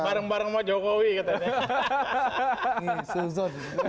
barang barang sama jokowi katanya